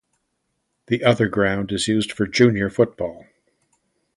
The other ground is used for junior football.